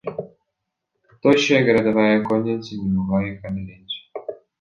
Тощая городовая конница не могла их одолеть.